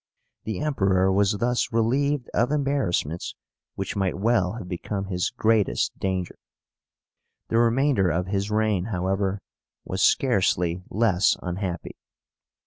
The Emperor was thus relieved of embarrassments which might well have become his greatest danger. The remainder of his reign, however, was scarcely less unhappy.